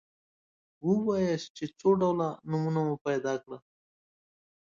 ووایاست چې څو ډوله نومونه مو پیدا کړل.